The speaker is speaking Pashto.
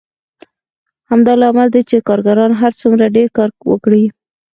همدا لامل دی چې کارګر هر څومره ډېر کار وکړي